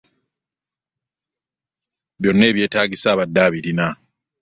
Byonna ebyetaagisa abadde abirina.